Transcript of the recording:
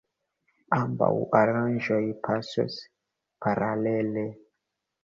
Ambaŭ aranĝoj pasos paralele.